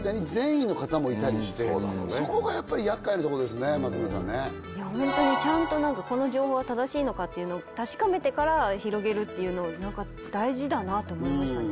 そこが厄介なとこですね松村さんいやホントにちゃんとこの情報は正しいのかっていうのを確かめてから広げるっていうの大事だなと思いましたね